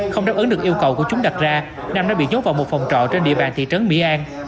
không đáp ứng được yêu cầu của chúng đặt ra nam đã bị dốt vào một phòng trọ trên địa bàn thị trấn mỹ an